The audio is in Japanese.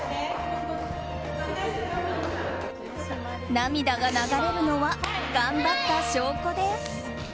涙が流れるのは頑張った証拠です。